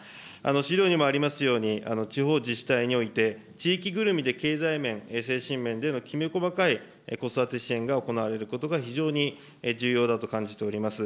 資料にもありますように、地方自治体において、地域ぐるみで経済面、精神面でのきめ細かい子育て支援が行われることが非常に重要だと感じております。